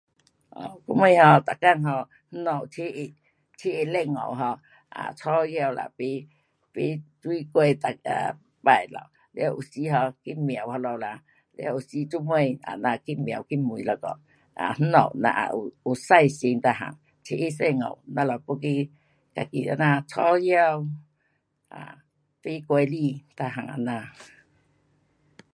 我们 um 每天 um 那家，初一，初一十五 um 啊吵闹了买，买水过大家拜咯，了有时 um 去庙那里啦，了有时做么啊咱去庙去问一下，啊那家咱也有，有嗮新每样，初一十五咱们要去，那去这样吵闹，啊，买果子每样这样。